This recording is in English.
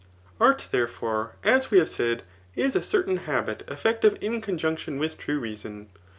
Art, therefore, as we have said, is a certain habit effective in conjunction with true reason.